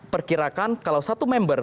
perkirakan kalau satu member